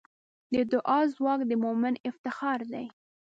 د دعا ځواک د مؤمن افتخار دی.